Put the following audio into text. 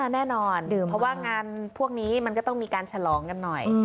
แน่นอนดื่มเพราะว่างานพวกนี้มันก็ต้องมีการฉลองกันหน่อย